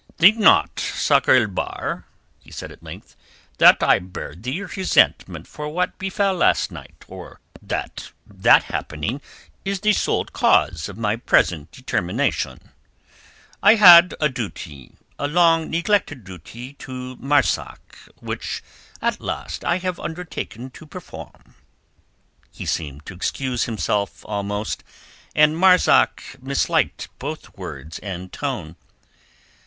"Think not, Sakr el Bahr," he said at length, "that I bear thee resentment for what befell last night or that that happening is the sole cause of my present determination. I had a duty—a long neglected duty—to Marzak, which at last I have undertaken to perform." He seemed to excuse himself almost, and Marzak misliked both words and tone.